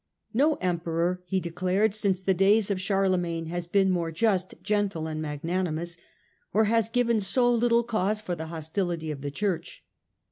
" No Emperor," he declared, " since the days of Charle magne, has been more just, gentle and magnanimous, or has given so little cause for the hostility of the Church."